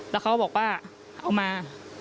แล้วเขาก็บอกว่าเอามา